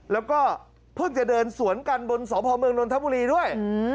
แล้วก็เพิ่งจะเดินสวนกันบนสพเมืองนทบุรีด้วย